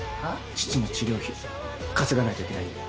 父の治療費稼がないといけないんで。